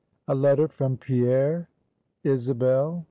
A LETTER FOR PIERRE. ISABEL.